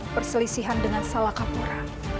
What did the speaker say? perselisihan dengan salakapura